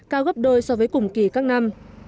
cao gấp đôi so với cùng kỷ các năm